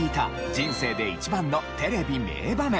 人生で１番のテレビ名場面。